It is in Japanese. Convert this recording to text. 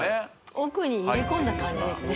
奥に入れ込んだ感じですね